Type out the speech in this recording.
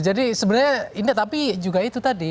jadi sebenarnya ini tapi juga itu tadi